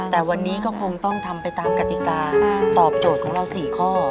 แต่วันนี้ก็คงต้องทำไปตามกติกาตอบโจทย์ของเรา๔ข้อ